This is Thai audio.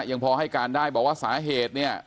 ยังพอให้การได้บอกว่าสาเหตุเนี่ย